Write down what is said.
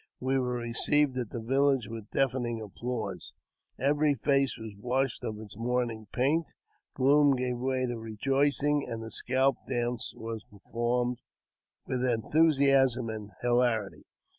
We were received at the village with deafening applause. Every face was washed of its mourning paint ; gloom gave way to rejoicing ; and the scalp dance was performed with enthusiasm and hilarity.